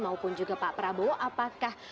maupun juga pak prabowo apakah